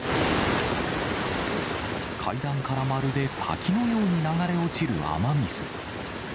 階段からまるで滝のように流れ落ちる雨水。